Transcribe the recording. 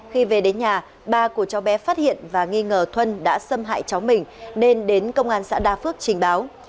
khi về đến nhà ba của cháu bé phát hiện và nghi ngờ thuân đã xâm hại cháu mình nên đến công an xã đa phước trình báo